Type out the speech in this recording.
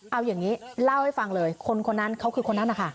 เอาอย่างนี้เล่าให้ฟังเลยคนคนนั้นเขาคือคนนั้นนะคะ